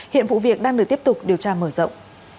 hiện vụ việc đang được tiếp tục điều tra mở rộng